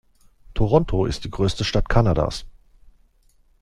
Toronto ist die größte Stadt Kanadas.